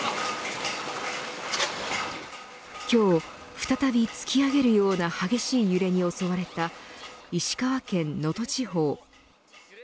今日、再び突き上げるような激しい揺れに襲われた石川県能登地方。